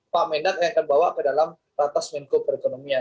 pak mendak yang akan bawa ke dalam ratas menko perekonomian